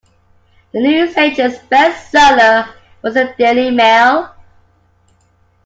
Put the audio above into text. The newsagent’s best seller was The Daily Mail